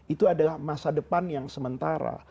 itu adalah masa depan yang sementara